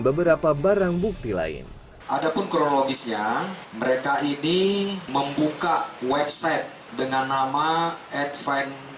beberapa barang bukti lain adapun kronologisnya mereka ini membuka website dengan nama at fine